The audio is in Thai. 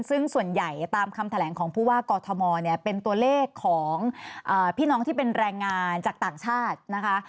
ซึ่งส่วนใหญ่ตามคำแถลงของผู้ว่ากอทมเนี่ยเป็นตัวเลขของพี่น้องที่เป็นแรงงานจากต่างชาตินะคะ